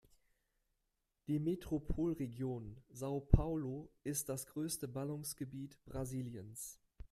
Die Metropolregion São Paulo ist das größte Ballungsgebiet Brasiliens.